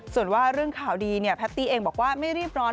ส่วนว่าเรื่องข่าวดีเนี่ยแพตตี้เองบอกว่าไม่รีบร้อน